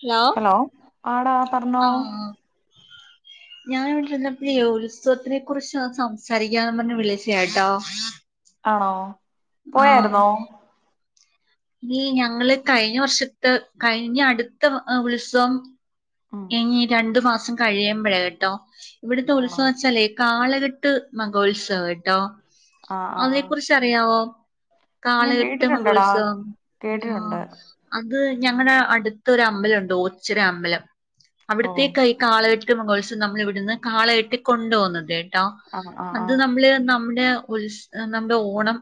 Hello ആടാ പറഞ്ഞോ ആ ഞാൻ ഇവിടിരിന്നപ്പഴേ ഉത്സവത്തിനെ കുറിച്ച് സംസാരിക്കാന്ന് പറഞ്ഞ് വിളിച്ചാട്ടോ. ആണോ പോയായിരുന്നോ? ഈ ഞങ്ങള് കഴിഞ്ഞ വർഷത്തെ കഴിഞ്ഞ അടുത്ത ഉത്സവം. ഉം ഇനി രണ്ടു മാസം കഴിയുമ്പോഴേ കേട്ടോ ഇവിടത്തെ ആണോ ഉത്സവം വെച്ചാലേ കാള പെട്ട് മഹോത്സവം കേട്ടോ ആഹ് ആഹ് അതെ ആഹ് കുറിച്ച് അറിയാവോ? ഞാൻ കാലഘട്ട് കേട്ടിട്ടുണ്ടടാ മഹോത്സവം ആ കേട്ടിട്ടുണ്ട് അത് ഞങ്ങളുടെ അടുത്തൊരു അമ്പലണ്ട് ഓച്ചിറ അമ്പലം ഓ അവിടത്തേക്കായി കാളെ ട്ടുമഹോത്സവം നമ്മൾ ഇവിടുന്ന് കാള കെട്ടി കൊണ്ടു പോകുന്നത് കേട്ടോ ആഹ് ആഹ് അത് ആഹ് നമ്മള് നമ്മുടെ. ഉത്സ നമ്മുടെ ഓണം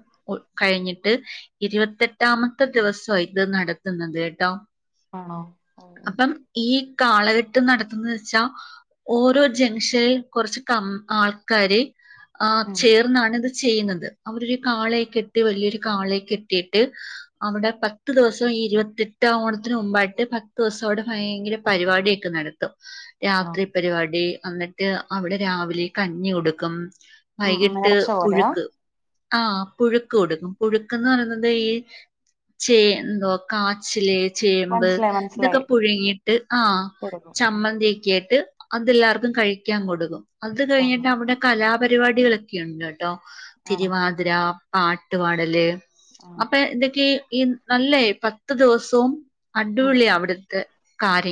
കഴിഞ്ഞിട്ട് ഇരുപത്തെട്ടാമത്തെ ദിവസം ഇത് നട നടത്തുന്നത് കേട്ടോ ആണോ ഓ ഓ അപ്പം ഈ കാളകെട്ട് നടത്തുന്ന വെച്ചാ ഓരോ ജംഗ്ഷനിൽ കുറച്ച് കം ആൾക്കാര്. ആ ഉം ചേർന്നാണിത്. ചെയ്യുന്നത് അവരു കാളെയെ കെട്ടി വലിയൊരു കാളേ കെട്ടിട്ട് അവിടെ പത്ത് ദിവസം. ഈ ഇരുപത്തെട്ടാം ഓണത്തിന് മുമ്പായിട്ട് പത്ത് ദിവസവിടെ ഭയങ്കര. പരിപാടിയൊക്കെ നടത്തും ആണോ രാത്രി പരിപാടി. എന്നിട്ട് അവിടെ രാവിലെ കഞ്ഞി കൊടുക്കും ഉം ഉം വൈകിട്ട് നേർച്ച പോലെയാ പുഴുക്ക്. ആഹ് പുഴുക്ക് കൊടുക്കും പുഴുക്ക്ന്ന് പറയുന്നത് ഈ ചേ എന്തോ കാച്ചില്. ചേമ്പ് മനസ്സിലായി ഇതൊക്കെ മനസ്സിലായി പുഴുങ്ങിയിട്ട് ആ കൊടുക്കും ഉം ചമ്മന്തി ഒക്കെ. ട്ട് അതെല്ലാവർക്കും കഴിക്കാൻ കൊടുക്കും അത് ആഹ് കഴിഞ്ഞിട്ട് അവിടെ കലാപരിപാടികളൊക്കെ ഉണ്ട്. ആണോ തിരുവാതിര പാട്ട്പാടല് ആഹ് അപ്പൊ എന്തൊക്കെ. ഈ നല്ലേ പത്ത് ദിവസവും ഉം അടിപൊളിയ അവിടുത്തെ.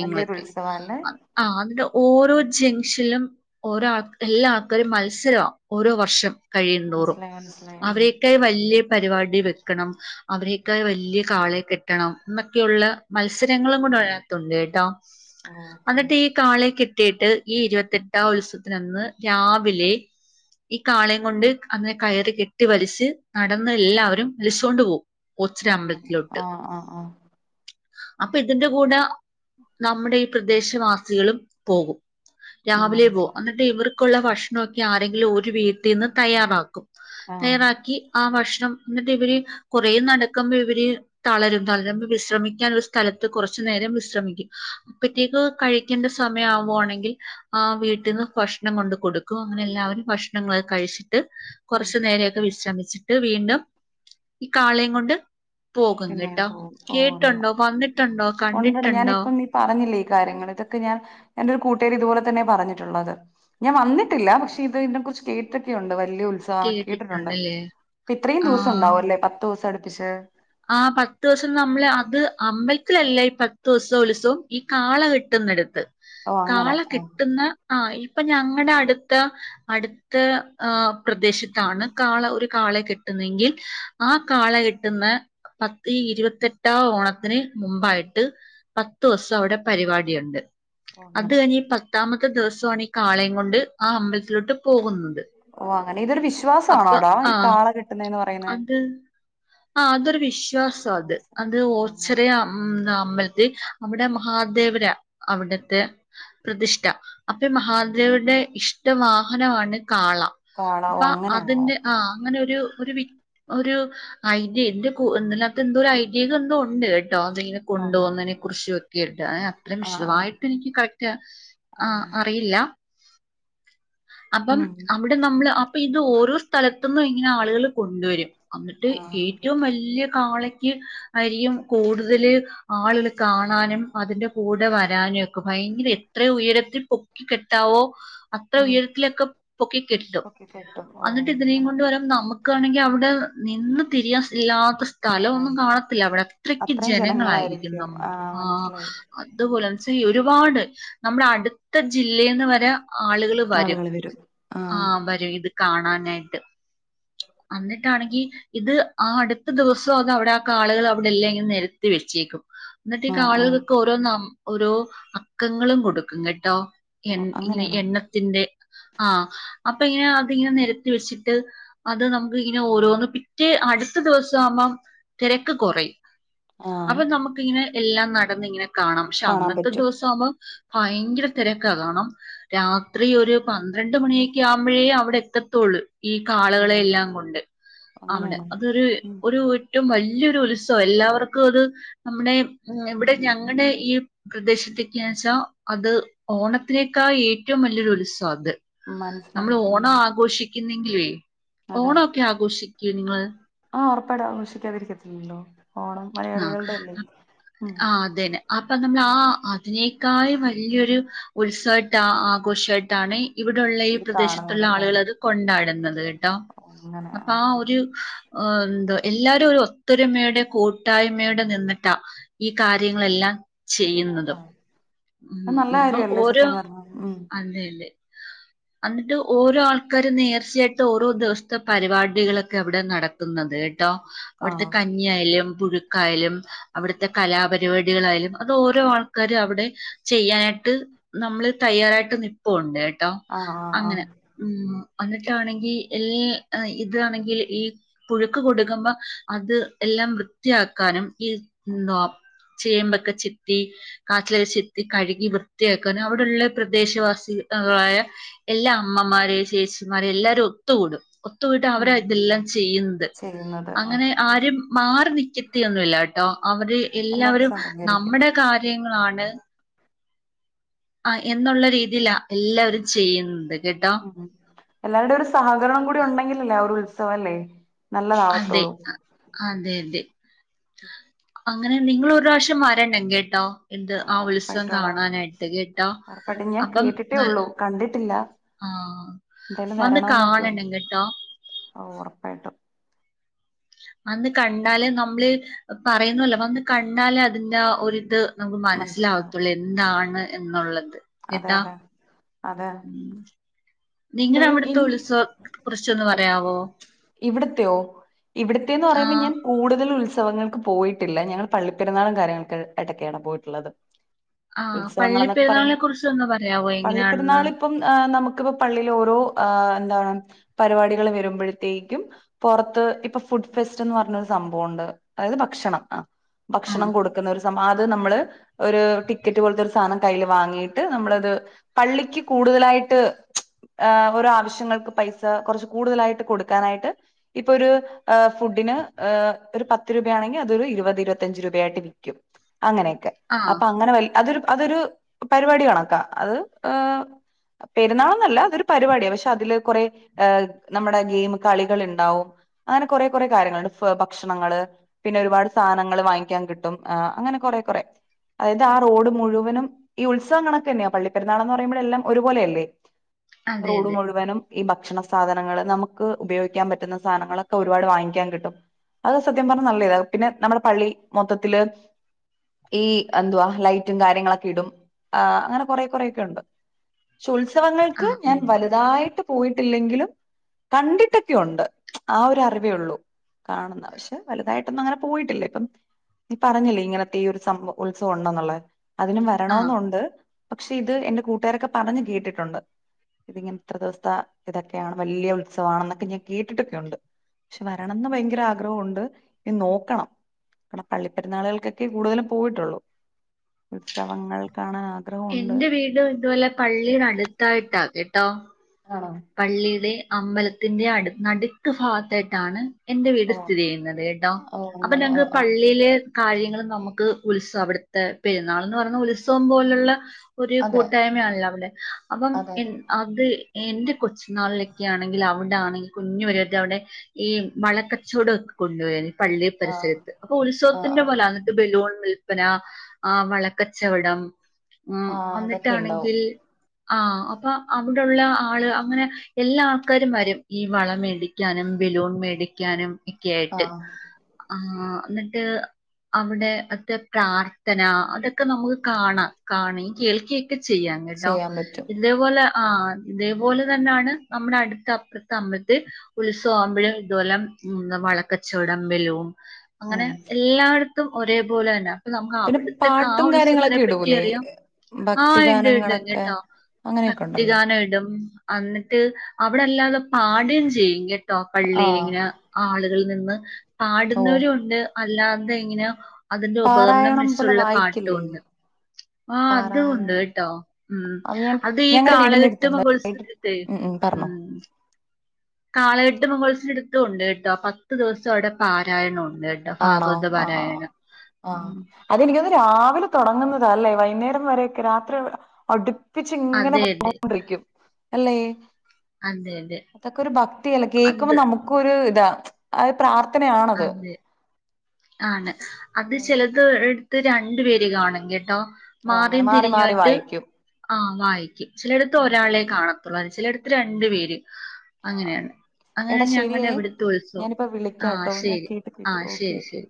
വലിയൊരു ഉത്സവാ അല്ലേ ആ എന്നിട്ട് ഓരോ ജംഗ്ഷനിലും ഓരോ ആൾ എല്ലാ ആൾക്കാരും മത്സരമാണ് ഓരോ വർഷം. കഴിയുംതോറും മനസ്സിലായി മനസ്സിലായി ഉം അവരൊക്കെ വല്യ പരിപാടി വെക്കണം അവരേക്കാ വലിയ കാളെയെ കെട്ടണം എന്നൊക്കെയുള്ള മത്സരങ്ങളും കൂടെ ഉണ്ട് കേട്ടാ ഓക്കെ എന്നിട്ട് ഈ കാളയേ കെ കെട്ടിയിട്ട് ഈ ഇരുപത്തെട്ടാം ഉത്സവത്തിനന്ന് രാവിലെ. ഈ കാളയം കൊണ്ട് അതിനെ കയറി കെട്ടി വലിച്ച് നടന്ന് എല്ലാവരും വലിച്ചുകൊണ്ട് പോകും കൊച്ചിര ഓ അങ്ങനെ അമ്പലത്തിലോട്ട് ആഹ് ആഹ് ആഹ് അപ്പൊ ഇതിന്റെ കൂടെ നമ്മുടെ ഈ പ്രദേശവാസികളും പോകും ഉം രാവിലെ പോ മനസ്സിലായി എന്നിട്ട് ഇവർക്കുള്ള ഭക്ഷണമൊക്കെ ആരെങ്കിലും ഒരു വീ ത്തിന്ന് തയ്യാറാക്കും ആഹ് തയ്യാറാക്കി ആ ഭക്ഷ എന്നിട്ട് ഇവര് കൊറേ നടക്കുമ്പോ ഇവര് തളരും തളരുമ്പ വിശ്രമിക്കാന ഒരു സ്ഥലത്ത് കുറച്ചു നേരം വിശ്ര അപ്പേതെക്ക് കഴിക്കേണ്ട സമയംവുയാണെങ്കിൽ ആ വീട്ടിൽന്ന് ഫക്ഷണം കൊണ്ട്ടു കൊടുക്കും അങ്ങനെ എല്ലാവരും ഫക്ഷണങൾ ഒക്കെ കഴിച്ചിട്ട് ഉം കുറച്ചു നേരൊക്കെ വിശ്രമിച്ചിട്ട് വീണ്ടും ഈ കാളെയയും കൊണ്ട് പോകും പിന്നെ കേട്ടാ പോവും ഓ അങ്ങനെ കേട്ടുണ്ടോ വന്നിട്ടുണ്ടോ കണ്ടി ഉണ്ടടാ ഞാനിപ്പം നീ പറഞ്ഞില്ലേ കാര്യങ്ങൾ ഇതൊക്കെ ഞാൻ എന്റെറെ ഒരു കൂട്ടുക്കാരി ഇതുപോലെ തന്നെ പറഞ്ഞിട്ടുള്ളത് ഞാൻ വന്നിട്ടില്ല പക്ഷെ ഇതി കുറിച്ച് കേട്ടൊക്കെ ഉണ്ട് വല്യ ഉത്സവനോക്കേ കേട്ടിട്ടുണ്ട് കേട്ടിട്ടുണ്ടല്ലേ ഇപ്പ ഇത്രയും ദിവസം ആഹ് ഉണ്ടാവുംല്ലേ പത്ത് ദിവസം അടുപ്പിച്ച് ആ പത്ത് ദിവസം നമ്മള് അത് അബലത്തിലല്ല ഈ പത്ത് ദിവസവും ഉത്സവും ഈ കാള കെട്ടുന്നെടുത്ത് ഓ അങ്ങനെ കാള ആ കിട്ടുന്ന ആ ഇപ്പൊ ഞങ്ങളുടെ അടുത്ത അടുത്ത പ്രദേശത്താണ് കാള ഒരു കാള കാള കിട്ടുന്നെങ്കിൽ ആ കാള കിട്ടുന്ന പത്ത് ഈ ഇരുപത്തെട്ടാം ഓണത്തിന് മുമ്പായിട്ട് പത്ത് ദിവസം അവിടെ പരിപാടിയുണ്ട് ഓ അത് അങ്ങനെ കഴിഞ്ഞ ഈ പത്താമത്തെ ദിവസമാണ് ഈ കാളയും കൊണ്ട് ആ അമ്പലത്തിലോട്ട് പോകുന്നത് ഓ അങ്ങനെ ഇതൊരു അപ്പൊ വിശ്വാസമാണോടാ ഈ ആഹ് കാള കെട്ടുന്നേന്ന് പറയുന്നെ അത് ആ അതൊരു വിശ്വാസം അത് അത് ഓ അങ്ങനെ ഓർച്ചെറിയ അമ്പലത്തിൽ അവിടെ മഹാദേവര അവിടത്തെ പ്രതിഷ്ഠ അപ്പ ഈ മഹാ മാതരയുടെ ഇഷ്ട വാഹനമാണ് കാള കാള ഓ അപ്പൊ അങ്ങനെയാണോ അതിന്റെ ഓക്കെ ആ അങ്ങനെ ഒരു വി ഒരു [unintelligible] എന്റെല്ലാത്ത എന്തോ ഒരു [unintelligible] എന്തോ ഉണ്ട് അതിങ്ങനെ ഓ അങ്ങനെ കൊണ്ടുപോവുന്നതിനെ കുറിച്ച ഒക്കെ ആയിട്ട് അത്ര ആ ആ വിശദമായിട്ട് എനിക്ക് കറക്റ്റ് ആഹ അറിയില്ല അപ്പം ഉം അവിടെ നമ്മള് അപ്പൊ ഇത് ഓരോ സ്ഥലത്തുന്നും ഇങ്ങനെ ആളുകൾ കൊണ്ടുവരും എന്നിട്ട് ആ ഏറ്റവും വലി യ കാളക്ക് ആയിരിക്കും കൂടുതൽ ആളുകൾ കാണാനും അതിന്റെ കൂടെ വരാ നോക്കെ ഭയങ്കര എത്ര ഉയരത്തിൽ പൊക്കി കെട്ടാവോ അത്ര ഉം ഉയരത്തിലൊക്കെ പൊക്കി കെട്ടും ഓക്കെ കെട്ടും ഓ അന്നിട്ട് ഇതിനെയും അങ്ങനെ കൊണ്ട് വരു നമുക്കാണെങ്കിൽ അവിടെ നിന്ന് തിരിയാ ഇല്ലാത്ത സ്ഥലവൊന്നും സ്ഥലമില്ല കാണത്തില്ല അവിടെ അത്രക്ക് ജനങ്ങളായിരിക്കും നമ്മുക്ക് ആ അതുപോലെ ഒരുപാട് നമ്മുടെ അടുത്ത ജില്ലെന്ന് വരെ ആളുകൾ വരും ആഹ് വരും ഇത് കാണാനായിട്ട് അന്നിട്ടാണെങ്കിൽ ഇത് ആ അടു ത്ത ദിവസം അത് അവിടെ ആ കാളകൾ അവിടെ ഇല്ലെങ്കിലും നിരത്തി വെച്ചേക്കും എന്നിട്ട് ആഹ് ആഹ് കാളുകൾഓക്കേ ഓരോ ന ഓരോ അക്കങ്ങളും കൊടുക്കും കേട്ടോ ഓ ഇങ്ങനെ അങ്ങനെയാണോ എണ്ണത്തിന്റെ ആഹ അപ്പൊ ഇങ്ങനെ അതിങ്ങനെ നിരത്തി വെച്ചിട്ട് അത് നമുക്ക് ഇങ്ങനെ ഓരോന്ന് പിറ്റേ അടുത്ത ദിവസം ആവുമ്പോ തിരക്ക് കുറയും ആഹ് അപ്പൊ നമുക്കിങ്ങനെ എല്ലാം നടന്ന് ഇങ്ങനെ കാണാം പക്ഷെ കാണാൻ അന്നത്തെ പറ്റും ദിവസം ആവുമ്പോ ഭയങ്കര തിരക്കാ കാരണം രാത്രി ഒരു പന്ത്രണ്ട് മണിയൊക്കെ ആവുമ്പോഴേ അവിടെ എത്തത്തുള്ളൂ ഈ ഓ കാളകളെല്ലാം കൊണ്ട് അവിടെ അങ്ങനെയാണോ അതൊരു ഉം ഒരു ഏറ്റവും വല വലിയൊരു ഉത്സവം എല്ലാവർക്കും അത് നമ്മുടെ ഇവിടെ ഞങ്ങളുടെ ഈ പ്രദേശത്തേക്കെയ വെച്ചാ അത് ഓണത്തിലേക്കാ ഏറ്റവും വലിയൊരുസവാ അത് നമ്മൾ മനസ്സിലായി ഉം ഓണം ആഘോഷിക്കുന്നങ്കിലെ അതെ ഓണംഓക്കെ ആഘോഷിക്കൂ നിങ്ങള് ആ ഉറപ്പാട ആഘോഷിക്കാതിരിക്കത്തില്ലല്ലോ ഓണം ആ മലയാളികളുടെല്ലാം ഉം ആഹ് അതന്നെ അപ്പൊ നമ്മൾ ആ അതിനേക്കാളും വലിയൊരു ഉത്സവായ്യിട് ആഘോഷയിട്ടാണ് ഇവിടെള്ള ഈ ഇത് പ്രദേശത്തുള്ള കാണുന്നതല്ലേ ആളുകൾ അത് കൊണ്ടാടുന്നത് കേട്ടോ ഓ, അങ്ങനെ അപ്പൊ ആ ഒരു ആ എന്താ എല്ലാരും ഒരു ഒത്തൊരുമയുടെ കുട്ടായ്മയുടെ നിന്നിട്ട ഈ കാര്യങ്ങളെല്ലാം ചെയ്യുന്നല്ലേ ചെയ്യുന്നതും അത് നല്ല അപ്പൊ കാര്യല്ലേ ഓരോ സത്യം പറഞ്ഞ ഉം അതെ അതെ ഉ എന്നിട്ട് ഓരോ ആൾക്കാരും നേർച്ചയായിട്ട് ഓരോ ദിവസത്തെ പരിപാടികളൊക്കെ അവിടെ നടക്കുന്നത് കേട്ടോ അവിടുത്തെ ആണോ കഞ്ഞിയ ആയാലും യാലും അവിടുത്തെ കലാപരിപാടികളായാലും അത് ഓരോ ആൾക്കാര് അവിടെ ചെയ്യാനായിട്ട് നമ്മള് തയ്യാറായിട്ട് നിപ്പുണ്ട് കേട്ടോ ആഹ് ആഹ് അങ്ങനെ ആഹ് ഉ വന്നിട്ടാണെങ്കിൽ എല്ല ഇതാണെങ്കിൽ ഈ പുഴുക്ക് കൊടുക്കുമ്പ അത് എല്ലാം വൃത്തിയാക്കാനും ഈ ഉം ചേമ്പൊക്കെ ചെത്തി കാറ്റില ചെത്തി കഴുകി വൃത്തിയാക്കാനൻ അവിടെള്ള പ്രദേശവാസി യ എല്ലാ അമ്മമാര ചേച്ചിമാര എല്ലാരും ഒത്തുകൂടും ഒത്തുപീട്ട് അവര ഉം, ഇതെല്ലാം ചെയ്യുന്നത് ചെയ്യുന്നത് അങ്ങനെ ആരും മാറി നി എത്തിയഒന്നുമില്ലാട്ടോ അവര് എല്ലാരും എല്ലാവരും സഹകരിക്കും നമ്മുടെ കാര്യങ്ങളാണ് ആ എന്നുള്ള രീതിയിലാ എല്ലാവരും ചെയ്യുന്നത് കേട്ടോ ഉ എല്ലാരുടെ ഒരു സഹകരണം കൂടി ഉണ്ടെങ്കില അല്ലേ ഒരു ഉത്സവംല്ലേ അതെ അതെ അതെ അങ്ങനെ നിങ്ങൾ ഒരു പ്രാവശ്യം വരണം കേട്ടോ എന്ത് ആ ഉത്സവം ഉറപ്പായിട്ടും എടാ കാണാനായിട്ട് കേട്ടോ ഉറപ്പായിട്ടും ഞാൻ അപ്പം കേട്ടിട്ടേ ന ഉള്ളൂ കണ്ടിട്ടില്ല ആഹ എന്തായാലും വന്ന് വരണോന്നൊക്കെയുണ്ട് കാണണം കട്ടോ ഓ ഉറപ്പായിട്ടും അന്ന് കണ്ടാല് നമ്മള് പറയുന്നുല്ലോപ്പ വന്ന് ന കണ്ടാലെ അതിന്റെ ഒരിത് നമുക്ക് മനസ്സിലാവും മനസ്സിലാവത്തുള്ളൂ എന്താണ് എന്നുള്ളത് അതെ അതെ അതെ ഉ നിങ്ങ എന്തായാലും അവിടുത്തെ ഇനി ഉത്സവ കുറിച്ചൊന്ന് പറയാവോ ഇവിടത്തെയോ ഇവിടത്തേന്ന് പറയുമ്പോ ആഹ് ഞാൻ കൂടുതൽ ഉത്സ ഉത്സവങ്ങൾക്ക് പോയിട്ടില്ല ഞങ്ങൾ പള്ളിപ്പെരുന്നാളും കാര്യങ്ങൾക്ക ഇടൊക്കെയാണ് പോയിട്ടുള്ളത് ആഹ് ഉത്സവങ്ങ എന്നൊക്കെ പള്ളിപ്പെരുന്നാളിനെ പറയുമ്പ കുറിച്ചൊന്ന് പറയാവോ എങ്ങനെയാണെന്ന് പള്ളിപ്പെെരുന്നാൾ ഇപ്പം നമുക്കിപ്പ പള്ളിൽ ഓരോ ന്താ പരിപാടികൾ വരുമ്പോഴത്തേക്കും പുറത്ത് ഇപ്പൊ ഫുഡ്‌ ഫെ സ്റ്റ് പറഞ്ഞ ഒരു സംഭവുണ്ട് അത് ഭക്ഷണം ഭക്ഷണം ആഹ് കൊടുക്കുന്ന സംഭ നമ്മള് ഒരു ടിക്കറ്റ് പോലെത്തെ ഒരു സാധനം വാങ്ങിയിട്ട് നമ്മൾ അത് പള്ളിക്കു കൂടുതലായി ആയിട്ട് ഹ് ഓരോ ആവശ്യങ്ങൾക്ക് പൈസ കുറച്ച് കൂടുതലായിട്ട് കൊടുക്കാനായിട്ട് ഇപ്പൊ ഒരു ഫുഡ ഒരു പത്ത് രൂപയാണെങ്കിൽ അതൊരു ഇരുപത് ഇരുപത്തിഞ്ച രൂപ ആായിട്ട് വിൽക്കും അങ്ങനെയൊക്കെ ആഹ് അപ്പൊ അങ്ങനെ വ അതൊരു അതൊരു പരിപാടി കണക്കാം അത് ഹ പെരുന്നാളന്നല്ല ഒരു പരിപാടിയാണ് പക്ഷെ അതില് കുറെ ഹ് നമ്മുടെ ഗെയിം കളികൾ ഉണ്ടാവും അങ്ങനെ കുറേ കുറെേ കാര്യങ്ങൾ ഭക്ഷണങ്ങള് പിന്നെ ഒരുപാട് സാധനങ്ങൾ വാങ്ങിക്കാൻ കിട്ടും അങ്ങനെ കുറെ കുറെ അതായത് ആ റോഡ് മുഴുവനും ഈ ഉത്സവങ്ങളൊക്കെ തന്നെയാ പള്ളിപ്പെെരുന്നാൾന്ന് പറയുമ്പോൾ എല്ലാം ഒരുപോലെല്ലേ അതെ റോഡ് അതെ മുഴുവനും ഈ ഭക്ഷണ സാധനങ്ങള്ൾ നമുക്ക് ഉപയോഗിക്കാൻ പറ്റുന്ന സാധനങ്ങളൊക്കെ ഒരുപാട് വാങ്ങിക്കാൻ കിട്ടും അത് സത്യം പറഞ്ഞാൽ നല്ല ഇതാണ് പിന്നെ നമ്മുടെ പള്ളി മൊത്തത്തില് ഈ എന്തുവാ ലൈറ്റും കാര്യങ്ങളൊക്കെ ഇടും ആ അങ്ങനെ കൊറെ കുറെൊക്കെ ഉണ്ട് പക്ഷ ഉത്സവങ്ങൾക്ക് ആഹ് ഞാൻ ആഹ് വലുതായിട്ട് പോയിട്ടില്ലെങ്കിലും കണ്ടിട്ടൊക്കെ ഉണ്ട് ആ ഒരു അറിവേ ഉള്ളൂ കാണുന്ന പക്ഷെ വലുതായിട്ടൊന്നും അങ്ങനെ പോയിട്ടില്ലേ ഇപ്പം പറഞ്ഞില്ലേ ഇങ്ങനത്തെ ഈ ഒരു സം ഉത്സവം ഉണ്ടെന്നുള്ളത് അതിനും ആഹ് വരണെന്നുണ്ട് പക്ഷെ ഇത് എൻറെ കൂട്ടുകാരൊക്കെ പറഞ്ഞഞ് കേട്ടിട്ടുണ്ട് ഇതിങ്ങനെ ഇത്ര ദിവസത്തെ ഇതൊക്കെയാണ് വല്യ ഉത്സവണെ ന്നൊക്കെ ഞാൻ കേട്ടിട്ടൊക്കെയുണ്ട് പക്ഷെ വരണംന്ന് ഭയങ്കര ആഗ്രഹമുണ്ട് ഇനി നോക്കണം ക പള്ളിപ്പെരുന്നാളുകൾക്കൊക്കെ കൂടുതലും പോയിട്ടുള്ളു ഉത്സവങ്ങൾ കാണാൻ ആഗ്രഹമുണ്ട് എന്റെ വീട് ഇതുപോലെ പള്ളീട ടുത്തായിട്ടാ കേട്ടോ ആണോ പള്ളിയുടെ അമ്പലത്തിന്റെ അടു നടുക്ക് ഭാഗത്തായിട്ടാണ് എന്റെ വീട് ഓ സ്ഥിതി ചെയ്യുന്നത് കേട്ടോ ഓ അപ്പൊ അങ്ങനെ ഓ ഞങ്ങക്ക് ഓ പള്ളില് കാര്യങ്ങള് നമുക്ക് ഉത്സവം അവിടുത്തെ പെരുന്നാൾന്ന് പറഞ്ഞ ഉത്സവം പോലുള്ള ഒരു അതെ കൂട്ടായ്മയാണല്ലോ അവിടെ അപ്പം അതെ എ അത് എന്റെ കൊച്ചുനാളിലൊക്കെ ആണെങ്കില് അവിടെ ആണെങ്കിൽ കുഞ്ഞ് പരുവത്തിൽ അവിടെ ഈ വളക്കച്ചവടം ഒക്ക കൊണ്ടു വരും പള്ളി ആഹ് പരിസരത്ത് അപ്പൊ ആഹ് ഉത്സവത്തിന്റെ ആഹ് പോല അകത്ത് ബലൂൺ വിൽപ്പന ആ വളക്കച്ചവടം ആഹ് അതൊക്കെ ഇണ്ടാവും വന്നിട്ടാണെങ്കിൽ ആഹ് അപ്പൊ അവിടൊള്ള ആള് അങ്ങനെ എല്ലാ ആൾക്കാരും വരും ഈ വള മേടിക്കാനും ബലൂൺ മേടിക്കാനും ഒക്കെ ആയിട്ട് ആഹ് ആ ന്നിട്ട് അവിടെ ത്തെ പ്രാർത്ഥന അതൊക്കെ നമുക്ക് കാണാം കാണെ ഈ കേൾക്കെ ചെയ്യാം കേട്ടോ ചെയ്യാൻ പറ്റും ഇതേപോലെ ആ ഇതേപോലെ തന്നാണ് നമ്മുടെ അടുത്ത അപ്പുറ ത്തെ അമ്പലത്ത ഉത്സവം ആകുമ്പഴ് ഇതുപോലെ വളക്കച്ചവട മ്പിലും അങ്ങനെ ഉം എല്ലായിടത്തും ഒരേപോലെ തന്ന അപ്പൊ നമുക്ക് പിന്നെ അവിടുത്തെക്കെ ആ പാട്ടും ഉത്സവത്തിനെ കാര്യങ്ങളൊക്കെ പറ്റി ഇടൂലേ അറിയാം ആ ഇണ്ട് ഇണ്ട് ഭക്തിഗാനങ്ങളൊക്കെ കെട്ടോ അങ്ങനെയൊക്കെ ഉണ്ടല്ലോ ഭക്തിഗാനം ഇടും അന്നിട്ട് അവിടല്ലാതെ പാടുവേം ചെയ്യും കേട്ടോ പള്ളിൽ ആഹ് ഇങ്ങനെ ആള് നിന്ന് ഓ പാടുന്നവരും ഉണ്ട് അല്ലാതെ ഇങ്ങന അതിന്റെ ഉപകരണം പാരായണം പോലെ വെച്ചുള്ള പാട്ടും വായിക്കില്ലേ ഉണ്ട് ആഹ് അതും ഉണ്ട് പാരായണം കേട്ടോ ഉം ഞാൻ അത് ഈ ഞങ്ങടെ വീടിന്റെ കാളകെട്ട് അടുത്തുണ്ട് മഹോത്സവ ഉം ഉം പറഞ്ഞോ കാളകെട്ട് മഹോത്സ ടുത്തും ഉണ്ട് കേട്ടോ പത്ത് ദിവസം അവിടെ പാരായണോം ഉണ്ട് കേട്ടോ ആണോ ഭാഗവത ആ ആ പാരായണം ആഹ് ഉം അതെനിക്കൊന്ന് രാവിലെ തുടങ്ങുന്നതാ അല്ലേ വൈകുന്നേരം വരെക്കെ രാത്രി അടുപ്പിച്ച് ഇങ്ങനെ അതെ അതെ പോന്നോണ്ടിരിക്കും അല്ലേ അതെ അതെ അതൊക്കെ ഒരു ഭക്തിയല്ല കേൾക്കുമ്പോ അത് നമുക്കും ഒരിതാ അ പ്രാർത്ഥന ത്തനയാണത്. അതെ ആണ് അത് ചെലത് എടുത്ത് രണ്ടു പേര് കാണും കേട്ടോ ഓ അങ്ങനെ മാറീം മാറി മാറി തിരിഞ്ഞുവാട്ട് വായിക്കും ആഹ് വായിക്കും ചിലയിടത്ത് ആ ഒരാളെ കാണത്തുള്ളൂ അ ചിലയിടത്ത് രണ്ടു പേര് ആ ആ അങ്ങനെയാണ് എടാ അങ്ങനെയാണ് ഞങ്ങളുടെ ശരിയേ അവിടുത്തെ ഉത്സവം ഞാനിപ്പോ ആ വിളിക്കാട്ടോ ഞാൻ ശരി കേട്ട് ആ കേട്ട് ഓക്കെ ശരി ഓക്കെ ശരി